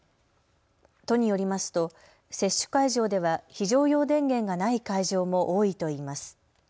都によりますと接種会場では非常用電源がない会場も多いといいます。